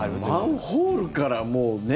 マンホールから、もうね。